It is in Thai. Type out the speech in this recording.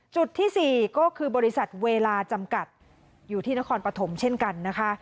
จุดที่๔ก็คือบริษัทเวลาจำกัดอยู่ที่นครปฐมเช่นกันนะคะ